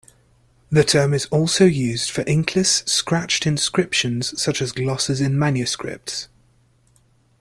The term is also used for inkless scratched inscriptions, such as glosses in manuscripts.